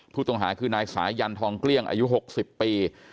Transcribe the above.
ผู้ต้องหาคือนายสายันทองเกลี้ยงอายุ๖๐ปี